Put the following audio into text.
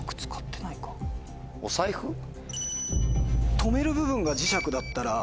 留める部分が磁石だったら。